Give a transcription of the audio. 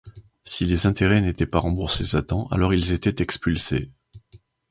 Si les intérêts n'étaient pas remboursés à temps, alors ils étaient expulsés.